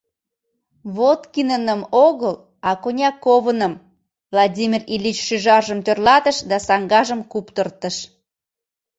— Водкиныным огыл, а Коньяковыным, — Владимир Ильич шӱжаржым тӧрлатыш да саҥгажым куптыртыш: